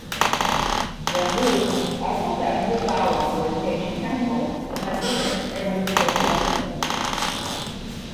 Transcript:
Lemu also founded the Dawah Coordination Council Of Nigeria and was the first President.